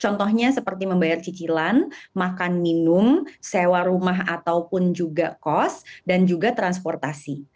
contohnya seperti membayar cicilan makan minum sewa rumah ataupun juga kos dan juga transportasi